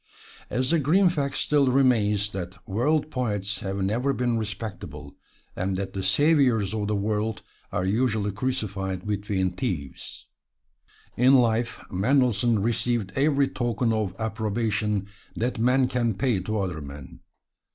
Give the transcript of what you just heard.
And the grim fact still remains that world poets have never been "respectable," and that the saviors of the world are usually crucified between thieves. In life Mendelssohn received every token of approbation that men can pay to other men.